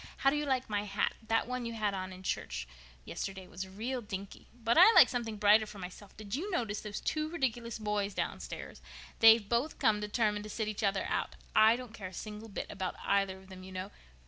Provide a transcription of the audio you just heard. How do you like my hat? That one you had on in church yesterday was real dinky. But I like something brighter for myself. Did you notice those two ridiculous boys downstairs? They've both come determined to sit each other out. I don't care a single bit about either of them, you know.